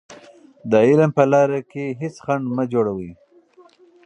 د علم په لاره کې هېڅ خنډ مه جوړوئ.